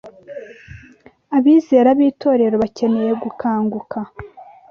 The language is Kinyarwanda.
Abizera b’itorero bakeneye gukanguka